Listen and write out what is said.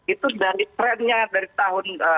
itu dari trendnya dari tahun